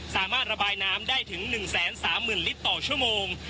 สามารถระบายน้ำได้ถึง๑๓๐๐๐ลิตรต่อชั่วโมง